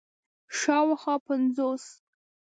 شاوخوا پنځوس